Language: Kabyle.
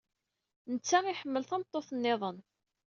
Netta iḥemmel tameṭṭut niḍen.